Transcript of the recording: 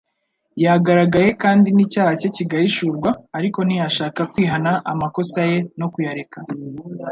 yagaragaye kandi n'icyaha cye kigahishurwa; ariko ntiyashaka kwihana amakosa ye no kuyareka.